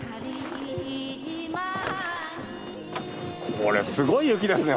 これすごい雪ですね